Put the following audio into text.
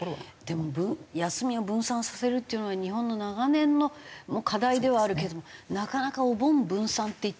でも休みを分散させるっていうのは日本の長年の課題ではあるけどもなかなかお盆分散っていったってね。